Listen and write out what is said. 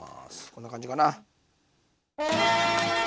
こんな感じかな。